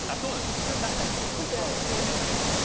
普通なれないんですけど将棋はなれるんで。